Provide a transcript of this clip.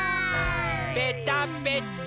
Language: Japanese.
ぺたぺた。